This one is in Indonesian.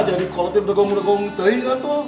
ah jadi kalau tim tegong tegong deh kan tuh